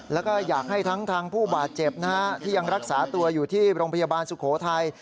แล้วก็อยากให้ทั้งทางผู้บาดเจ็บนะฮะที่ยังรักษาตัวอยู่ที่โรงพยาบาลสุโขทัย